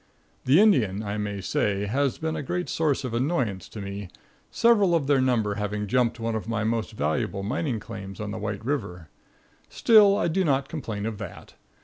The Indian, I may say, has been a great source of annoyance to me, several of their number having jumped one of my most valuable mining claims on White river. Still, I do not complain of that.